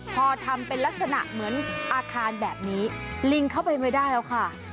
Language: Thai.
พอทำเป็นลักษณะเหมือนอาคารแบบนี้ลิงเข้าไปไม่ได้แล้วค่ะ